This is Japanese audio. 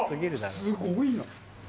すごいな。